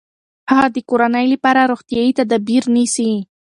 هغه د کورنۍ لپاره روغتیايي تدابیر نیسي.